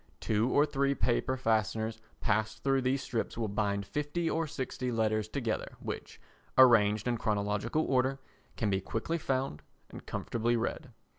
Two or three paper fasteners passed through these strips will bind fifty or sixty letters together, which, arranged in chronological order, can be quickly found and comfortably read.